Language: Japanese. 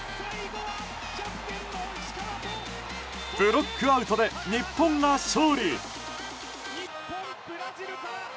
ブロックアウトで日本が勝利！